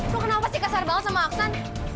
lo kenapa sih kasar banget sama aksan